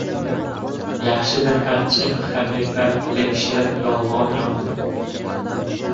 Yaxshidir achchiq haqiqat, lek shirin yolg‘on yomon